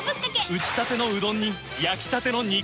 打ち立てのうどんに焼きたての肉。